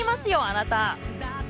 あなた！